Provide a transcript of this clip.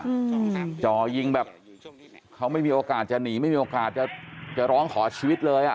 อืมจ่อยิงแบบเขาไม่มีโอกาสจะหนีไม่มีโอกาสจะจะร้องขอชีวิตเลยอ่ะ